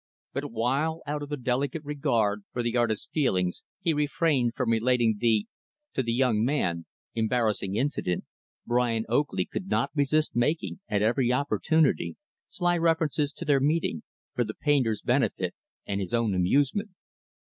But, while, out of delicate regard for the artist's feelings, he refrained from relating the to the young man embarrassing incident, Brian Oakley could not resist making, at every opportunity, sly references to their meeting for the painter's benefit and his own amusement.